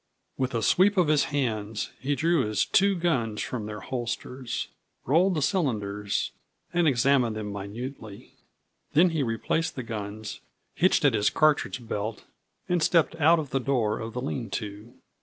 With a sweep of his hands he drew his two guns from their holsters, rolled the cylinders and examined them minutely. Then he replaced the guns, hitched at his cartridge belt, and stepped out of the door of the lean to.